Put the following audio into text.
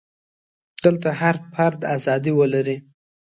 دلته هر فرد ازادي ولري.